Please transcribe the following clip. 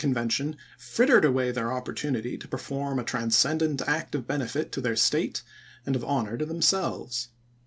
Convention frittered away their opportunity to perform a transcendent act of benefit to their State and of honor to themselves.